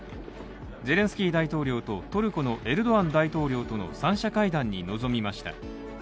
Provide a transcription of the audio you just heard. ゼレンスキー大統領とトルコのエルドアン大統領との３者会談に臨みました。